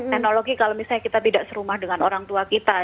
teknologi kalau misalnya kita tidak serumah dengan orang tua kita